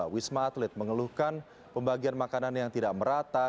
wisma atlet mengeluhkan pembagian makanan yang tidak merata